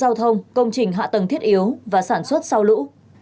giao thông công trình hạ tầng thiết yếu và sản xuất sau lũ